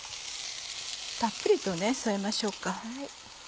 たっぷりと添えましょうか。